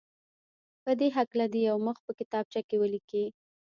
په دې هکله دې یو مخ په کتابچه کې ولیکي.